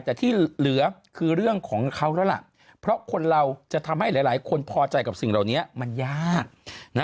แต่ที่เหลือคือเรื่องของเขาแล้วล่ะเพราะคนเราจะทำให้หลายคนพอใจกับสิ่งเหล่านี้มันยากนะ